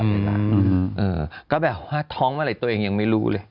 มาส่งตลอดผมก็แบบฮาท้องว่าอะไรตัวเองยังไม่รู้เลย